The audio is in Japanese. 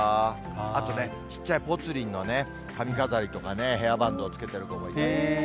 あとね、ちっちゃいぽつリンのね、髪飾りとかね、ヘアバンドをつけてる子もいまして。